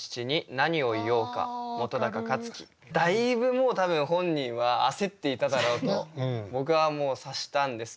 だいぶもう多分本人は焦っていただろうと僕はもう察したんですけど。